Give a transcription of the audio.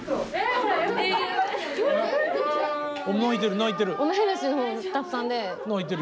泣いてる泣いてる。